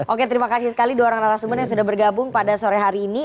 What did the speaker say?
oke terima kasih sekali dua orang narasumber yang sudah bergabung pada sore hari ini